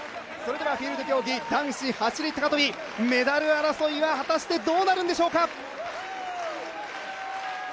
フィールド競技、男子走高跳、メダル争いは果たしてどうなるんでしょうか。